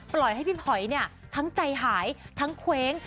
ปล่อยให้พี่หอยทั้งใจหายทั้งเคว้ง